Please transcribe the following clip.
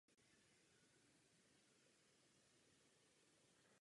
O jeho vyhlášení rozhoduje obvykle hlava státu nebo vláda.